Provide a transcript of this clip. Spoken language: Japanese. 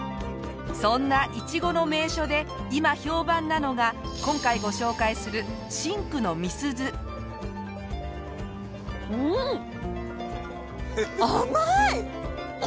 そんなイチゴの名所で今評判なのが今回ご紹介するうん。